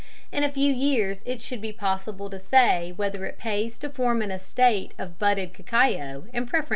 In a few years it should be possible to say whether it pays to form an estate of budded cacao in preference to using seedlings.